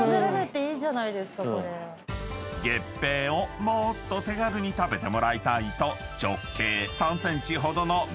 ［月餅をもっと手軽に食べてもらいたいと］